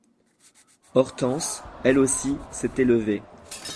Hortense, elle aussi, s'était levée.